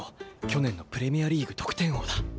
去年のプレミアリーグ得点王だ。